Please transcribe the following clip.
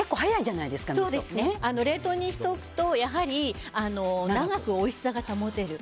冷凍にしておくと長くおいしさが保てる。